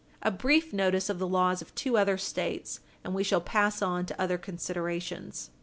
A brief notice of the laws of two other States, and we shall pass on to other considerations.